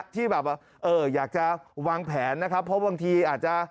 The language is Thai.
ที่แบบว่าอยากจะวางแผนนะครับเพราะบางทีอาจจะ